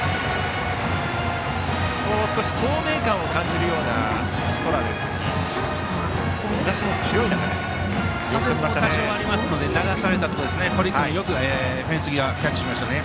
透明感を感じるような空ですし日ざしも強い中で風も多少ありますので流されましたが堀君、よくフェンス際キャッチしましたね。